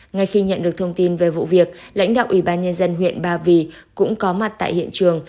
ngay khi nhận được thông tin về vụ việc lãnh đạo ủy ban nhân dân huyện ba vì cũng có mặt tại hiện trường